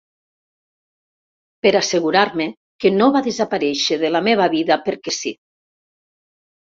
Per assegurar-me que no va desaparèixer de la meva vida perquè sí.